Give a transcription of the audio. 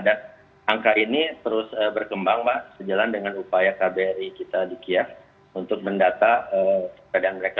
dan angka ini terus berkembang pak sejalan dengan upaya kbri kita di kiev untuk mendata keadaan mereka